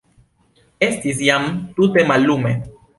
Estis jam tute mallume.